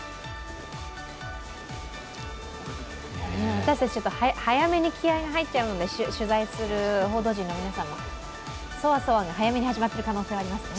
私たち、ちょっと早めに気合いが入っちゃうので、取材する報道陣の皆さんもそわそわが早めに始まっている可能性かありますね。